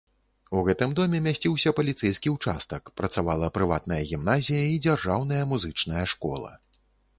У гэтым доме мясціўся паліцэйскі ўчастак, працавала прыватная гімназія і дзяржаўная музычная школа.